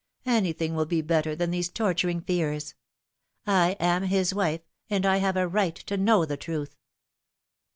Anything will be better than these torturing fears. I am his wife, and I have a right to know the truth."